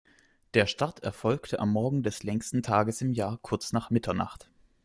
Der Start erfolgt am Morgen des längsten Tages im Jahr kurz nach Mitternacht.